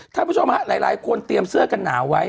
ท่านผู้ชมฮะหลายคนเตรียมเสื้อกันหนาวไว้